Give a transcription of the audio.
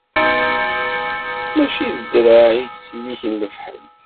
Mačči d ddreɛ i yettselliken lefḥel.